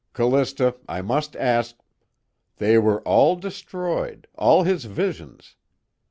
"Callista, I must ask " "They were all destroyed, all his visions?